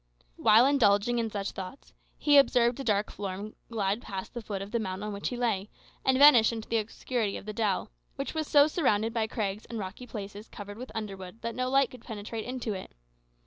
While indulging in such thoughts, he observed a dark form glide past the foot of the mound on which he lay, and vanish in the obscurity of the dell, which was so surrounded by crags and rocky places covered with underwood that no light could penetrate into it.